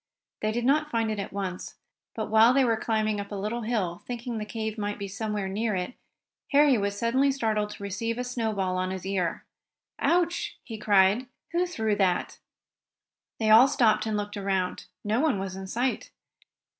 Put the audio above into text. They did not find it at once, but while they were climbing up a little hill, thinking the cave might be somewhere near it, Harry was suddenly startled to receive a snowball on his ear. "Ouch!" he cried. "Who threw that?" They all stopped and looked around. No one was in sight.